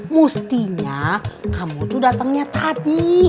mestinya kamu tuh datangnya tadi